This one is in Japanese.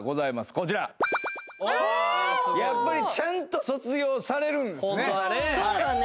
こちらやっぱりちゃんと卒業されるんですね